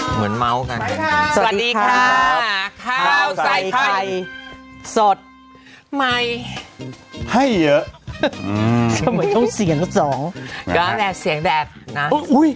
เหมือนเมาส์สวัสดีครับข้าวใส่ไข่สดใหม่ให้เยอะเสียงสองก็แบบเสียงแบบนะ